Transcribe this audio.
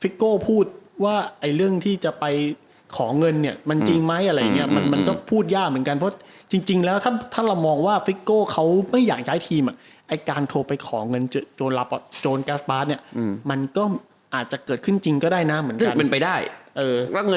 โก้พูดว่าไอ้เรื่องที่จะไปขอเงินเนี่ยมันจริงไหมอะไรอย่างเงี้ยมันมันก็พูดยากเหมือนกันเพราะจริงแล้วถ้าถ้าเรามองว่าฟิโก้เขาไม่อยากย้ายทีมอ่ะไอ้การโทรไปขอเงินโจรแก๊สปาร์ทเนี่ยมันก็อาจจะเกิดขึ้นจริงก็ได้นะเหมือนกัน